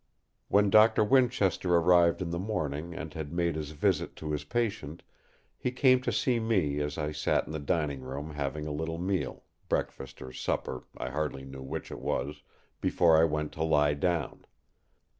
When Doctor Winchester arrived in the morning and had made his visit to his patient, he came to see me as I sat in the dining room having a little meal—breakfast or supper, I hardly knew which it was—before I went to lie down.